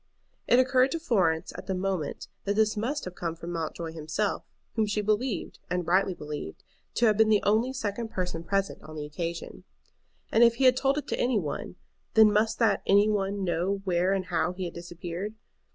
It occurred to Florence at the moment that this must have come from Mountjoy himself, whom she believed, and rightly believed, to have been the only second person present on the occasion. And if he had told it to any one, then must that "any one" know where and how he had disappeared.